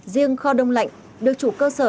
riêng kho đông lạnh được chủ cơ sở